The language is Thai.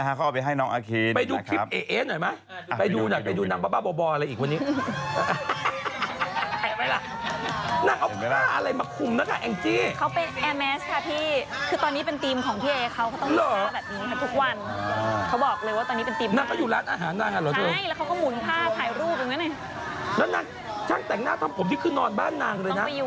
มาก่อนเขาอยู่กับสามคนเออัมปัชราพาเมฟังอารมณ์